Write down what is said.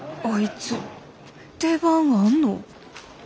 あいつ出番あんの？